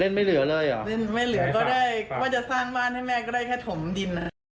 เล่นไม่เหลือก็ได้ว่าจะสร้างบ้านให้แม่ก็ได้แค่ถมดิน